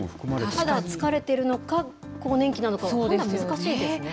ただ、疲れてるのか、更年期なのか、判断難しいですね。